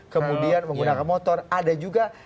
kemudian menggunakan motor ada juga